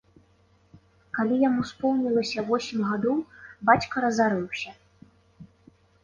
Калі яму споўнілася восем гадоў, бацька разарыўся.